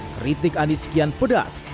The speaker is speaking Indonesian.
kritik anies sekian pedas